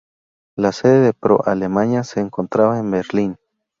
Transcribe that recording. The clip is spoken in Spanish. La sede de "pro Alemania" se encontraba en Berlín.